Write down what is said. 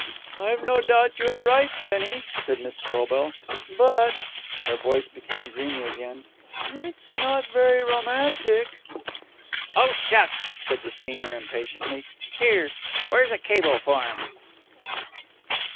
"I have no doubt you are right, Bennie," said Miss Scobell, "but " her voice became dreamy again "it's not very romantic." "Oh, shucks!" said the schemer impatiently. "Here, where's a cable form?"